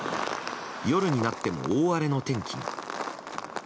夜になっても大荒れの天気に。